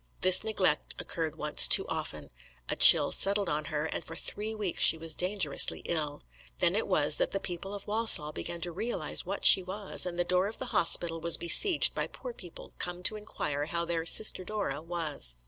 This neglect occurred once too often; a chill settled on her, and for three weeks she was dangerously ill. Then it was that the people of Walsall began to realise what she was, and the door of the hospital was besieged by poor people come to inquire how their "Sister Dora" was.